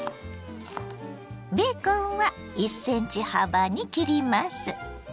ベーコンは１ｃｍ幅に切ります。